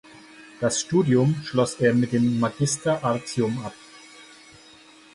Das Studium schloss er mit dem Magister Artium ab.